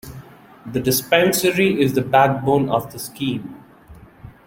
The dispensary is the backbone of the Scheme.